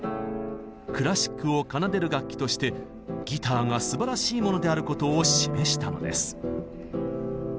クラシックを奏でる楽器としてギターがすばらしいものであることを示したのです。